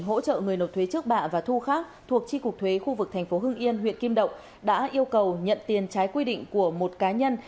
hỗ trợ người nộp thuế trước bạ và thu khác thuộc tri cục thuế khu vực thành phố hưng yên huyện kim động đã yêu cầu nhận tiền trái quy định của một cá nhân